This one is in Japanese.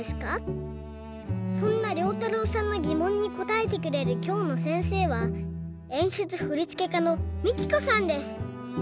そんなりょうたろうさんのぎもんにこたえてくれるきょうのせんせいはえんしゅつふりつけかのＭＩＫＩＫＯさんです。